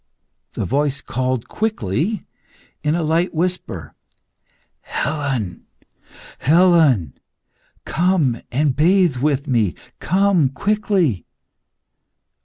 The voice called quickly, in a light whisper "Helen! Helen! come and bathe with me! come quickly!"